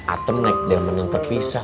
atem ngajak dia menentang pisan